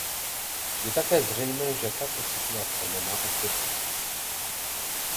Je také zřejmé, že tato situace nemá obdoby.